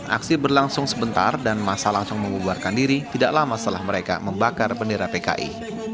aksi berlangsung sebentar dan masa langsung membubarkan diri tidak lama setelah mereka membakar bendera pki